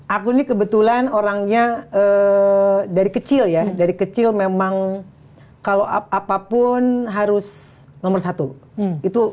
aku ini kebetulan orangnya dari kecil ya dari kecil memang kalau apapun harus nomor satu itu